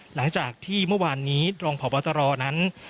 หลังจากที่เมื่อวานนี้รองพบตรนั้น